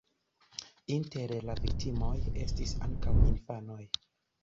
Inter la viktimoj estis ankaŭ infanoj.